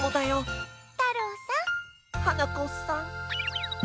はなこさん。